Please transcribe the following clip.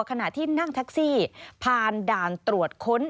ขณะที่นั่งแท็กซี่ผ่านด่านตรวจค้น